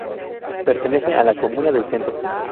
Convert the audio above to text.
Pertenece a la Comuna del Centro.